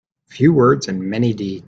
Few words and many deeds.